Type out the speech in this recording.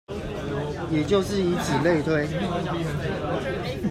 也就是以此類推